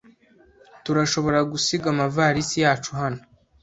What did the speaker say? Turashobora gusiga amavalisi yacu hano.